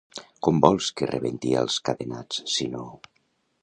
Com vols que rebenti els cadenats, si no?